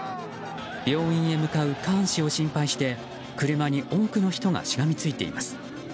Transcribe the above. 病院へ向かうカーン氏を心配して車に多くの人がしがみついています。